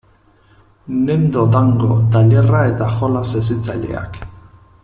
Nendo Dango tailerra eta jolas hezitzaileak.